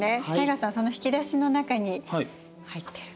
汰雅さんその引き出しの中に入ってるの。